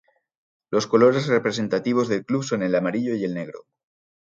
Los colores representativos del club son el amarillo y el negro.